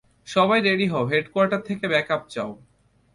সবাই রেডি হও, হেডকোয়ার্টার থেকে ব্যাকআপ চাও।